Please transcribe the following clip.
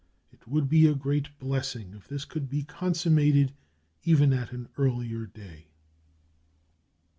It would be a great blessing if this could be consummated even at an earlier day.